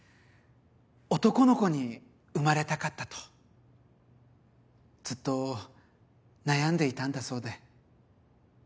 男の子に生まれたかったとずっと悩んでいたんだそうで。